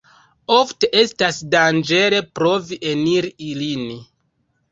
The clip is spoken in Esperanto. Ofte estas danĝere provi eniri ilin.